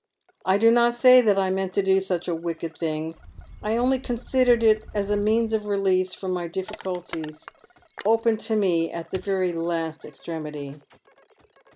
I do not say that I meant to do such a wicked thing. I only considered it as a means of release from my (iifficulties — open to me at the very last extremity."